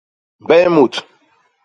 Mbey mut.